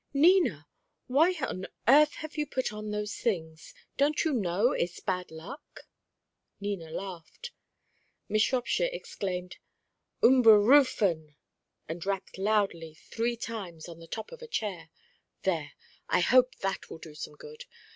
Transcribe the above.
"Nina! Why on earth have you put on those things? Don't you know it's bad luck?" Nina laughed. Miss Shropshire exclaimed, "Umburufen!" and rapped loudly three times on the top of a chair. "There! I hope that will do some good.